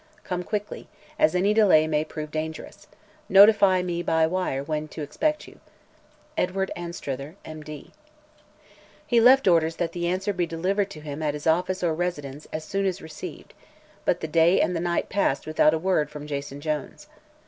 Come quickly, as any delay may prove dangerous. Notify me by wire when to expect you. Edward Anstruther, M. D." He left orders that the answer be delivered to him at his office or residence, as soon as received, but the day and the night passed without a word from Jason Jones.